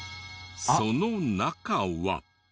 その中は。